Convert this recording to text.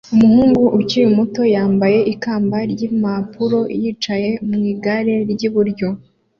Umuhungu ukiri muto yambaye ikamba ry'impapuro yicaye mu igare ry'ibiryo